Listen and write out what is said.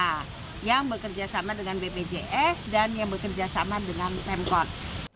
pemkot selanjutnya akan memperbaiki perubahan dengan bpjs dan yang bekerja sama dengan pemkot